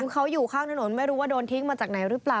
เขาอยู่ข้างถนนไม่รู้ว่าโดนทิ้งมาจากไหนหรือเปล่า